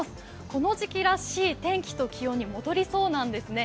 この時期らしい天気と気温に戻りそうなんですね。